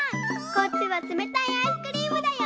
こっちはつめたいアイスクリームだよ。